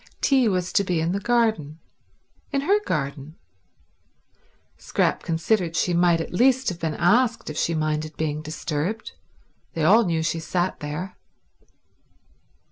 Tea was to be in the garden, in her garden. Scrap considered she might at least have been asked if she minded being disturbed. They all knew she sat there.